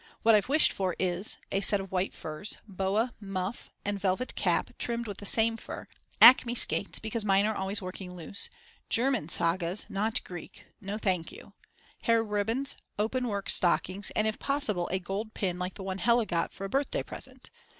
What I've wished for is: A set of white furs, boa, muff, and velvet cap trimmed with the same fur, acme skates because mine are always working loose, German sagas, not Greek; no thank you, hair ribbons, openwork stockings, and if possible a gold pin like the one Hella got for a birthday present.